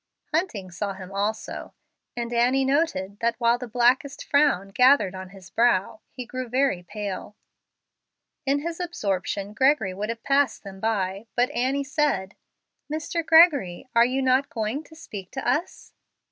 Hunting saw him also, and Annie noted that, while the blackest frown gathered on his brow, he grew very pale. In his absorption, Gregory would have passed by them, but Annie said, "Mr. Gregory, are you not going to speak to us?"